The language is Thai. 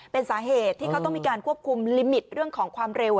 เป็นสาเหตุที่เขาต้องมีการควบคุมลิมิตเรื่องของความเร็ว